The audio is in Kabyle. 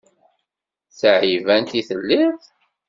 D taɛibant i telliḍ?